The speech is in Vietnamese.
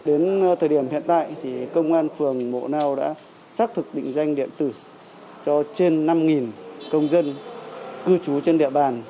đến thời điểm hiện tại thì công an phường bộ nao đã xác thực định danh điện tử cho trên năm công dân cư trú trên địa bàn